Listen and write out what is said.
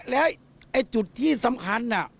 และอันจุดที่สำคัญ